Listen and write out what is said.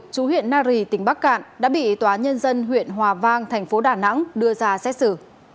chú huyện nari tỉnh bắc cạn đã bị tòa nhân dân huyện hòa vang thành phố đà nẵng đưa ra xét xử